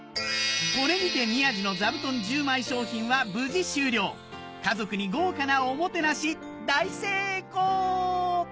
これにて宮治の座布団１０枚賞品は無事終了家族に豪華なおもてなし大成功！